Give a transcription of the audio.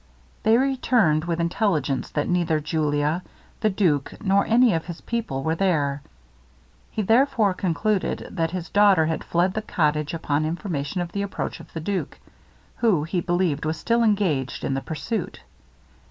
They returned with intelligence that neither Julia, the duke, nor any of his people were there. He therefore concluded that his daughter had fled the cottage upon information of the approach of the duke, who, he believed, was still engaged in the pursuit.